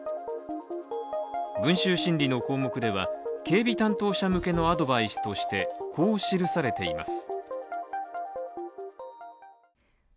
群集心理の項目では、警備担当者向けのアドバイスとしてこう記されています。